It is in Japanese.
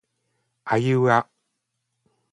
あいうあ